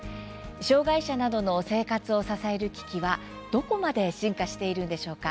障害者などの生活を支える機器はどこまで進化しているのでしょうか。